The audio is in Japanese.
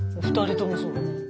あ２人ともそう。